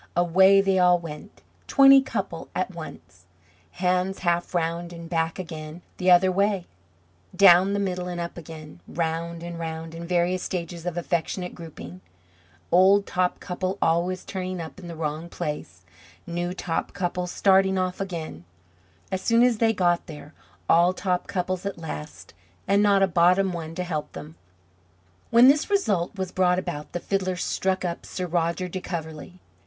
Away they all went, twenty couple at once; hands half round and back again the other way; down the middle and up again; round and round in various stages of affectionate grouping, old top couple always turning up in the wrong place; new top couple starting off again, as soon as they got there; all top couples at last, and not a bottom one to help them. When this result was brought about the fiddler struck up "Sir Roger de Coverley."